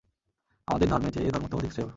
আমাদের ধর্মের চেয়ে এ ধর্ম তো অধিক শ্রেয়।